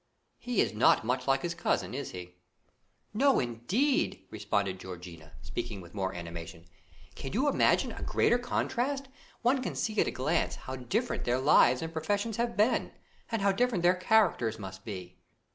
He is not much like his cousin, is he?" "No, indeed," responded Georgiana, speaking with more animation. "Could you imagine a greater contrast? One can see at a glance how different their lives and professions have been, and how different their characters must be."